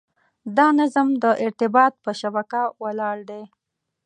دا نظم د ارتباط په شبکه ولاړ دی.